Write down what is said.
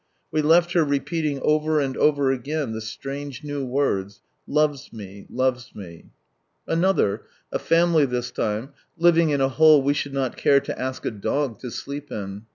We left her repeating over and over again the strange new words, " Loves me, loves me," Another, a family this time, living in a hole we should not care to ask a dog to sleep in.